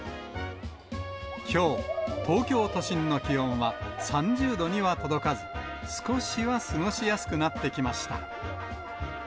きょう、東京都心の気温は３０度には届かず、少しは過ごしやすくなってきました。